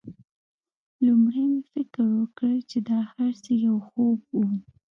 لومړی مې فکر وکړ چې دا هرڅه یو خوب و